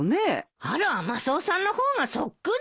あらマスオさんの方がそっくりよ。